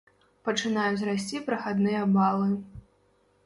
Пачынаюць расці прахадныя балы.